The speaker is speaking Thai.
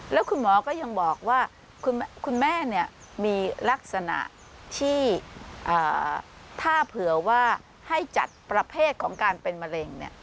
แล้วคุณหมอก็ยังบอกว่าคุณแม่มีลักษณะที่ถ้าเผื่อว่าให้จัดประเภทของการเป็นมะเร็ง